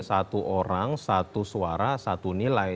satu orang satu suara satu nilai